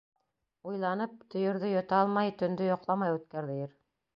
Уйланып, төйөрҙө йота алмай төндө йоҡламай үткәрҙе ир.